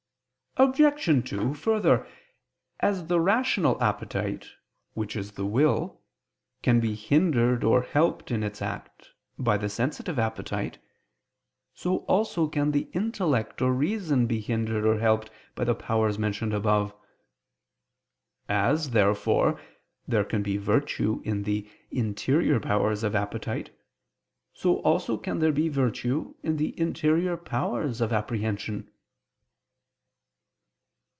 Obj. 2: Further, as the rational appetite, which is the will, can be hindered or helped in its act, by the sensitive appetite, so also can the intellect or reason be hindered or helped by the powers mentioned above. As, therefore, there can be virtue in the interior powers of appetite, so also can there be virtue in the interior powers of apprehension.